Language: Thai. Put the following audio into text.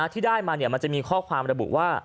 ที่ได้มามันจะมีข้อความระบุว่า